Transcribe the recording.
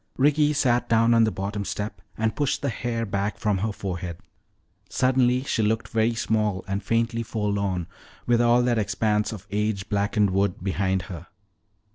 Ricky sat down on the bottom step and pushed the hair back from her forehead. Suddenly she looked very small and faintly forlorn with all that expanse of age blackened wood behind her.